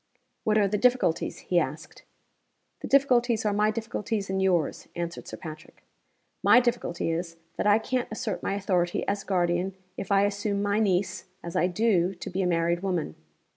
"What are the difficulties?" he asked "The difficulties are my difficulties and yours," answered Sir Patrick. "My difficulty is, that I can't assert my authority, as guardian, if I assume my niece (as I do) to be a married woman.